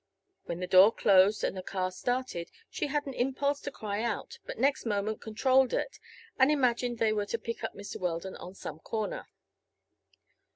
When the door closed and the car started she had an impulse to cry out but next moment controlled it and imagined they were to pick up Mr. Weldon on some corner.